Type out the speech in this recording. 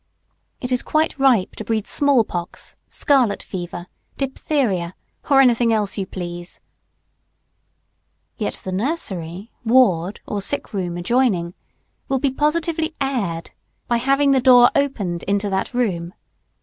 It is quite ripe to breed small pox, scarlet fever, diphtheria, or anything else you please. Yet the nursery, ward, or sick room adjoining will positively be aired (?) by having the door opened into that room.